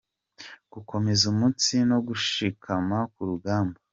– Gukomeza umutsi no gushikama ku rugamba;